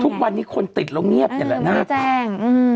ทุกวันนี้คนติดเราเงียบอย่างนั้น